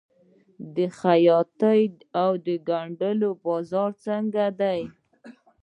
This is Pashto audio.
د خیاطۍ او ګنډلو بازار څنګه دی؟